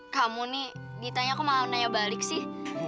kamu nih ditanya aku mau nanya balik sih